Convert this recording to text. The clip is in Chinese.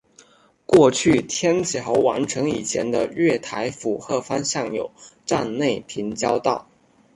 过去天桥完成以前的月台浦贺方向有站内平交道。